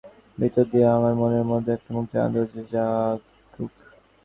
অতএব আজ সমস্ত অসহ্য দুঃখের ভিতর দিয়েও আমার মনের মধ্যে একটা মুক্তির আনন্দ জাগুক।